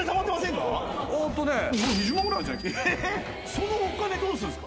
そのお金どうするんすか？